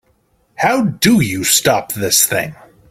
How do you stop this thing?